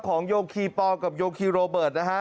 โยคีปอลกับโยคีโรเบิร์ตนะฮะ